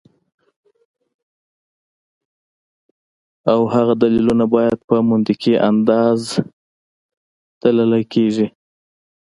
او هغه دليلونه بیا پۀ منطقي انداز تللے کيږي